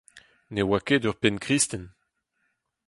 Ne oa ket ur penn-kristen.